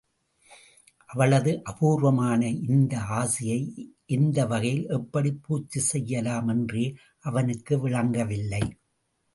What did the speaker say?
அவளது அபூர்வமான இந்த ஆசையை எந்த வகையில், எப்படிப் பூர்த்தி செய்யலாம்? என்றே அவனுக்கு விளங்கவில்லை.